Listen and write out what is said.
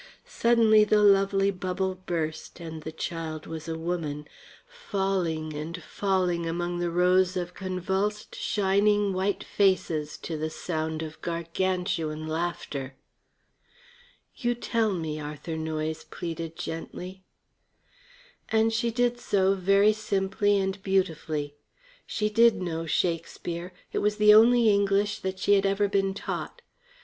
Suddenly the lovely bubble burst and the child was a woman, falling and falling among rows of convulsed, shining white faces to the sound of gargantuan laughter. "You tell me," Arthur Noyes pleaded gently. And she did so very simply and beautifully. She did know Shakespeare; it was the only English that she had ever been taught.